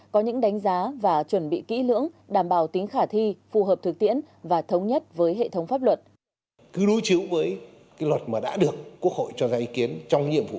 có những đánh giá và chuẩn bị kỹ lưỡng đảm bảo tính khả thi phù hợp thực tiễn và thống nhất với hệ thống pháp luật